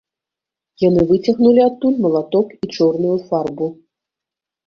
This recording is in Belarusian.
Яны выцягнулі адтуль малаток і чорную фарбу.